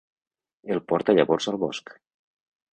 El porta llavors al bosc.